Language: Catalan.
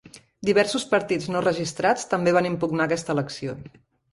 Diversos partits no registrats també van impugnar aquesta elecció.